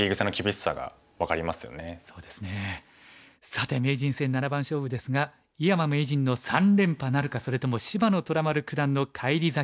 さて名人戦七番勝負ですが井山名人の３連覇なるかそれとも芝野虎丸九段の返り咲きなるか。